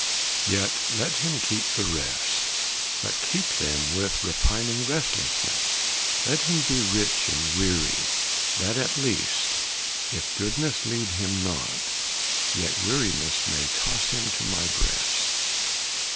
Yet let him keep the rest, But keep them with repining restlessness: Let him be rich and weary, that at least, If goodness lead him not, yet weariness May toss him to My breast.